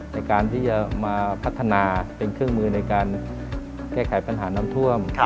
ในการที่จะมาพัฒนาเป็นเครื่องมือในการแก้ไขปัญหาน้ำท่วม